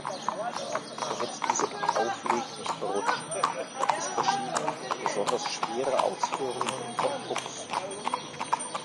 Damit diese beim Auflegen nicht verrutschen, gibt es verschiedene besonders schwere Ausführungen von Pucks.